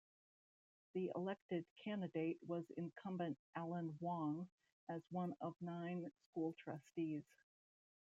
The elected candidate was incumbent Allan Wong, as one of nine school trustees.